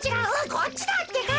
こっちだってか！